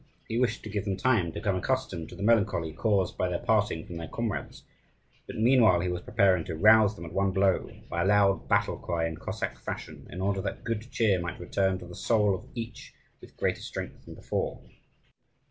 He wished to give them time to become accustomed to the melancholy caused by their parting from their comrades; but, meanwhile, he was preparing to rouse them at one blow, by a loud battle cry in Cossack fashion, in order that good cheer might return to the soul of each with greater strength than before.